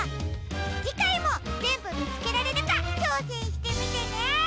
じかいもぜんぶみつけられるかちょうせんしてみてね！